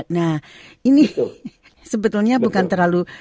nah ini sebetulnya bukan terlalu